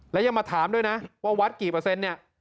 แล้วยังมาถามด้วยนะว่าวัดกี่เปอร์เซ็นต์เนี่ย